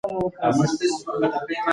د دغه کتاب لوستل د هر افغان لپاره اړین دي.